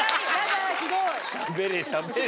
しゃべれしゃべれ。